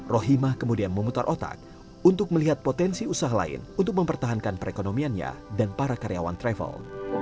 rohimah kemudian memutar otak untuk melihat potensi usaha lain untuk mempertahankan perekonomiannya dan para karyawan travel